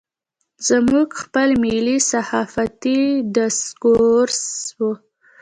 زموږ خپل ملي صحافتي ډسکورس و.